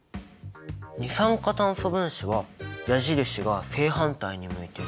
二酸化炭素分子は矢印が正反対に向いている。